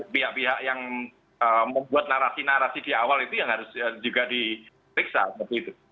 pihak pihak yang membuat narasi narasi di awal itu yang harus juga diperiksa seperti itu